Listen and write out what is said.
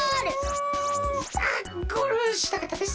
あっゴールしたかったです。